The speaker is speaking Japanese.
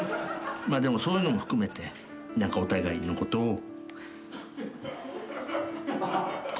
でもそういうのも含めて何かお互いのことを。